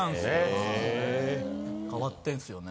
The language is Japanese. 変わってんですよね。